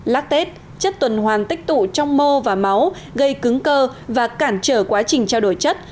lác tết chất tuần hoàng tích tụ trong mô và máu gây cứng cơ và cản trở quá trình trao đổi chất